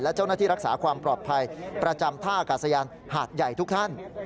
และเจ้าหน้าที่รักษาความปลอดภัยประจำท่าอากาศยานหาดใหญ่ทุกท่าน